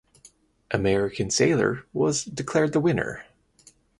American Sailor was declared the winner.